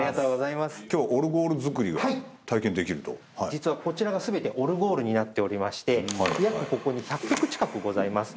実はこちらが全てオルゴールになっておりましてここに１００曲近くございます。